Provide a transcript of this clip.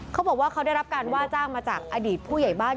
เขาบอกว่าเขาได้รับการว่าจ้างมาจากอดีตผู้ใหญ่บ้าน